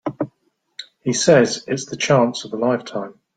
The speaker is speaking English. He says it's the chance of a lifetime.